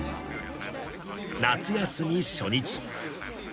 夏休み初日。